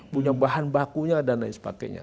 punya bahan bakunya dan lain sebagainya